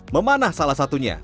memanah salah satunya